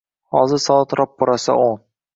Hozir soat roppa-rosa o'n.